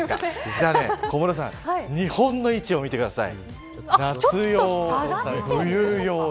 じゃあ、小室さん日本の位置を見てください。